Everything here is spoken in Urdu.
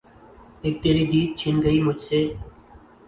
اِک تیری دید چِھن گئی مجھ سے